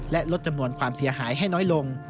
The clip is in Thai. และลดจำนวนความเสียหายให้น้อยลง